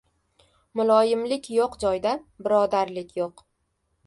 • Muloyimlik yo‘q joyda birodarlik yo‘q.